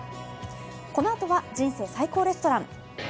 このあとは「人生最高レストラン」。